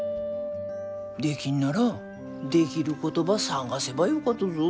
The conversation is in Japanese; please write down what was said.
できんならできることば探せばよかとぞ。